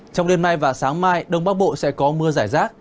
trong đêm nay và sáng mai đông bắc bộ sẽ có mưa giải rác